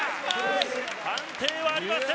判定はありません。